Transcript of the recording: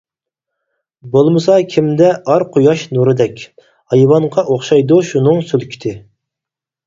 بولمىسا كىمدە ئار قۇياش نۇرىدەك، ھايۋانغا ئوخشايدۇ شۇنىڭ سۈلكىتى.